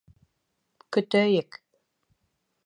Көтәйек.